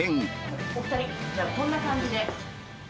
お２人、じゃあ、こんな感じ